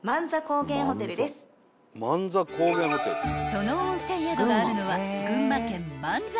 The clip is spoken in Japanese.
［その温泉宿があるのは］